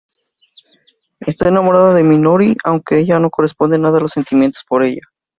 Está enamorada de Minoru, aunque este no corresponde en nada los sentimientos por ella.